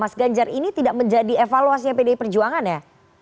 mas ganjar ini tidak menjadi evaluasinya pdi perjuangan ya